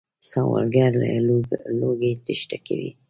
سوالګر له لوږې تېښته کوي